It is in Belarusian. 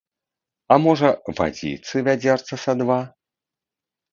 А можа, вадзіцы вядзерцы са два?